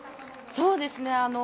そうですね。